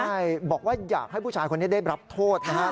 ใช่บอกว่าอยากให้ผู้ชายคนนี้ได้รับโทษนะครับ